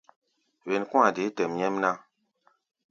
Wen kɔ̧́-a̧ deé tɛʼm nyɛ́mná.